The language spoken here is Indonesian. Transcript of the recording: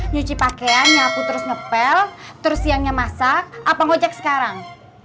nyuci pakaian nyapu terus ngepel terus siangnya masak apa ngajak sekarang